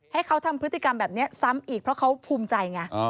ให้เขาทำพฤติกรรมแบบนี้ซ้ำอีกเพราะเขาภูมิใจไง